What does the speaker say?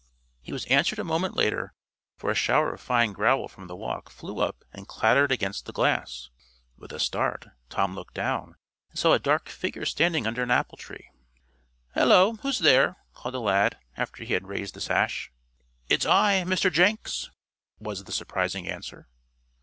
He was answered a moment later, for a shower of fine gravel from the walk flew up and clattered against the glass. With a start, Tom looked down, and saw a dark figure standing under an apple tree. "Hello! Who's there?" called the lad, after he had raised the sash. "It's I Mr. Jenks," was the surprising answer.